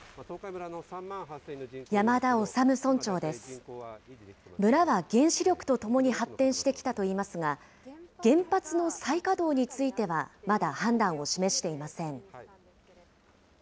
村は原子力とともに発展してきたといいますが、原発の再稼働についてはまだ判断を示していません。